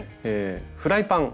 フライパン。